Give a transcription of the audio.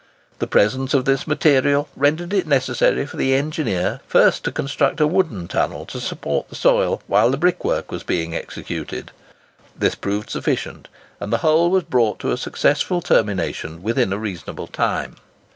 The presence of this material rendered it necessary for the engineer first to construct a wooden tunnel to support the soil while the brickwork was being executed. This proved sufficient, and the whole was brought to a successful termination within a reasonable time.